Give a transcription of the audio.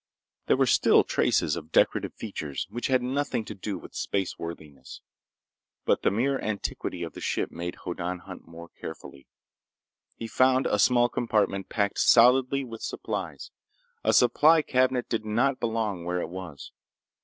There were still traces of decorative features which had nothing to do with space worthiness. But the mere antiquity of the ship made Hoddan hunt more carefully. He found a small compartment packed solidly with supplies. A supply cabinet did not belong where it was.